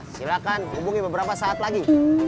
silahkan hubungi beberapa saat lagi